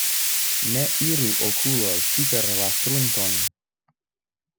Ne iru okuloj super la frunton.